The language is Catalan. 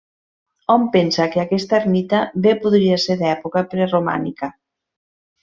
Hom pensa que aquesta ermita bé podria ser d'època preromànica.